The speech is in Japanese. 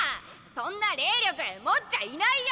そんな霊力持っちゃいないよ！！